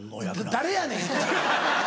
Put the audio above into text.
誰やねん！